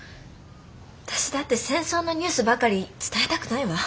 私だって戦争のニュースばかり伝えたくないわ。